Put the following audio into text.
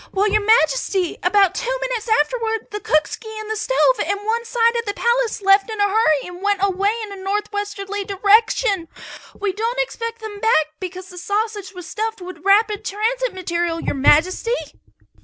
Well, Your Majesty, about two minutes afterwards the cookski and the stove and one side of the palace left in a hurry and went away in a northwesterly direction. We don't expect them back, because the sausage was stuffed with rapid transit material, Your Majesty!"